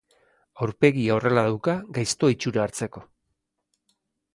Aurpegia horrela dauka gaizto itxura hartzeko.